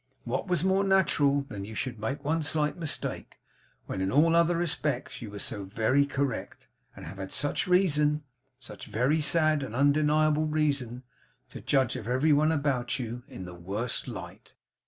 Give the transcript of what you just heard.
What was more natural than that you should make one slight mistake, when in all other respects you were so very correct, and have had such reason such very sad and undeniable reason to judge of every one about you in the worst light!